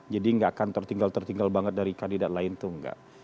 jadi gak akan tertinggal tertinggal banget dari kandidat lain tuh enggak